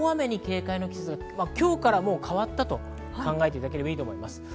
今日から変わったと考えていただければいいと思います。